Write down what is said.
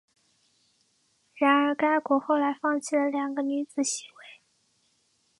然而该国后来放弃了两个女子席位。